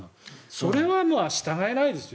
それは従えないですよ。